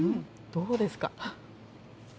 どうですか。